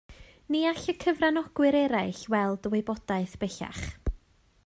Ni all y cyfranogwyr eraill weld y wybodaeth bellach